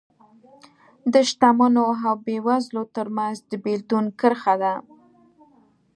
د شتمنو او بېوزلو ترمنځ د بېلتون کرښه ده